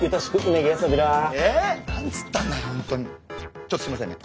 ちょっとすいませんね。